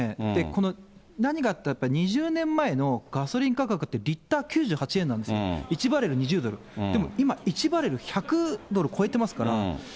この何がって言ったら、２０年前のガソリン価格って、リッター９８円なんですよ、１バレル２０ドル、でも今、１バレル１００ドル超えてますから。